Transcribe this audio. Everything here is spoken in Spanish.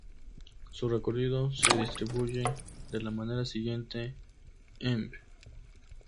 Su recorrido se distribuye de la manera siguiente: Emp.